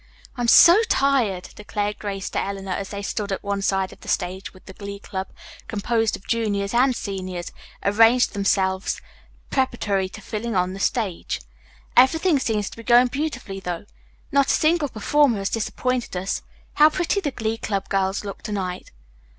"I am so tired," declared Grace to Eleanor as they stood at one side of the stage while the Glee Club, composed of juniors and seniors, arranged themselves preparatory to filing on to the stage. "Everything seems to be going beautifully though. Not a single performer has disappointed us. How pretty the Glee Club girls look to night."